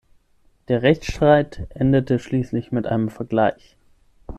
Der Rechtsstreit endete schließlich mit einem Vergleich.